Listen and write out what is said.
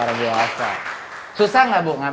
luar biasa susah nggak bu